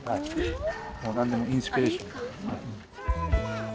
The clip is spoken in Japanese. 何でもインスピレーションで。